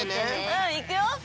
うんいくよ！